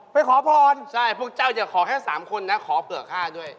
ไปขอพรใช่พวกเจ้าอย่าขอแค่๓คนนะขอเผื่อข้าด้วย